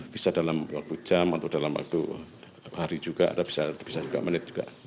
bisa dalam waktu jam atau dalam waktu hari juga ada bisa juga menit juga